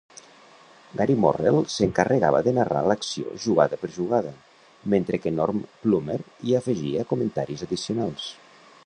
Gary Morrel s'encarregava de narrar l'acció jugada per jugada, mentre que Norm Plummer hi afegia comentaris addicionals.